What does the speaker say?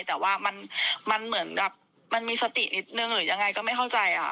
แต่ว่ามันเหมือนแบบมันมีสตินิดนึงหรือยังไงก็ไม่เข้าใจค่ะ